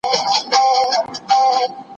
ارواپوهنه له روغتونونو سره مرسته کوي.